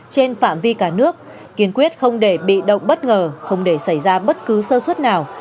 trên phạm vi cả nước kiên quyết không để bị động bất ngờ không để xảy ra bất cứ sơ suất nào